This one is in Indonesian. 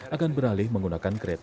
akan beralih menggunakan kereta